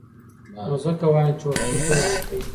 نو ځکه وایم چې وختي پیل وکړئ.